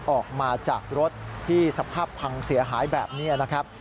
ออกมาจากรถที่สภาพพังเสียหายแบบนี้นะครับ